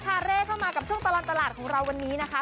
เร่เข้ามากับช่วงตลอดตลาดของเราวันนี้นะคะ